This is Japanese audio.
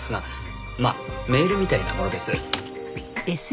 まあメールみたいなものです。